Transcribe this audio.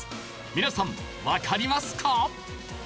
皆さんわかりますか？